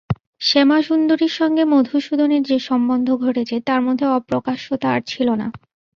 শ্যামাসুন্দরীর সঙ্গে মধুসূদনের যে সম্বন্ধ ঘটেছে তার মধ্যে অপ্রকাশ্যতা আর ছিল না।